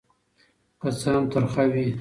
که څه هم ترخه وي.